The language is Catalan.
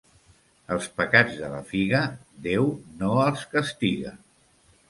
Els pecats de la figa, Déu no els castiga.